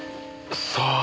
さあ。